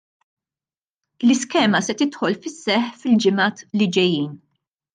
L-iskema se tidħol fis-seħħ fil-ġimgħat li ġejjin.